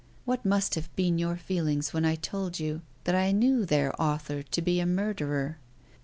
What must have been your feelings when I told you that I knew their author to be a murderer?"